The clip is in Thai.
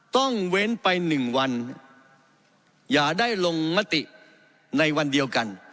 เว้นไป๑วันอย่าได้ลงมติในวันเดียวกัน